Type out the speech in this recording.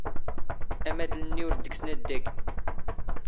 ⴰⵎⴰⴷⵍ ⵏⵏⵉ ⵓⵔ ⴷⴳⵙ ⴰⴷⴷⴰⴳⵏ.